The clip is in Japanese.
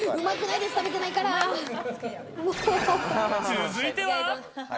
続いては。